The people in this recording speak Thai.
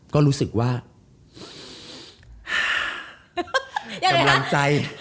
ก็รู้สึกว่า